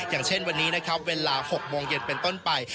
อย่างเช่นวันนี้นะครับเวลา๖โมงเย็นเป็นต้นไป